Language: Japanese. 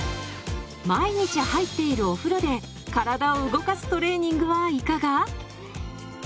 毎日入っているお風呂で体を動かすトレーニングはいかが？